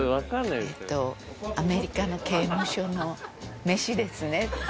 「えっとアメリカの刑務所の飯ですねって」